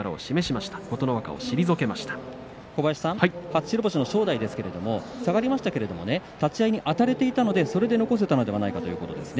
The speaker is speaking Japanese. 初白星の正代ですが下がりましたけれども立ち合い、あたれていたのでそれで残せたのではないかということです。